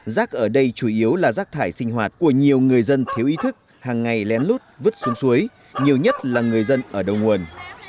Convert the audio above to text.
rác ở đây chủ yếu là rác thải sinh hoạt của nhiều người dân thiếu ý thức hàng ngày lén lút vứt xuống suối nhiều nhất là người dân ở đầu nguồn